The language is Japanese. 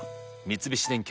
三菱電機